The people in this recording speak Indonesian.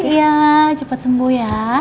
iya cepat sembuh ya